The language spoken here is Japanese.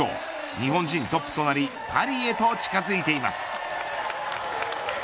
日本人トップとなりパリへと近づいています。